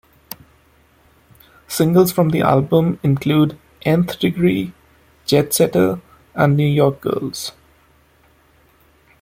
Singles from the album include "Nth Degree", "Jetsetter" and "New York Girls.